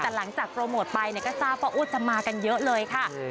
แต่หลังจากโปรโมทไปเนี่ยก็ทราบว่าอุ๊ดจะมากันเยอะเลยค่ะ